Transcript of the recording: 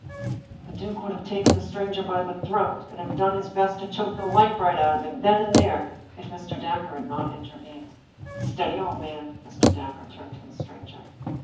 The duke would have taken the stranger by the throat, and have done his best to choke the life right out of him then and there, if Mr. Dacre had not intervened. " Steady, old man I " Mr. Dacre turned to the stranger.